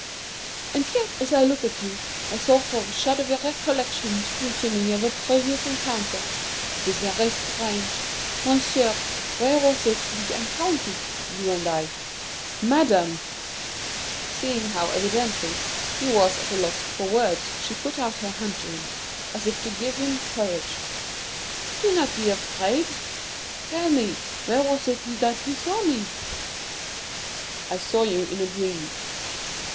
"And yet, as I look at you, a sort of shadowy recollection comes to me of a previous encounter; it is very strange! Monsieur, where was it we encountered you and I?" "Madame!" Seeing how evidently he was at a loss for words, she put out her hand to him as if to give him courage. "Do not be afraid. Tell me where was it that you saw me?" "I saw you in a dream."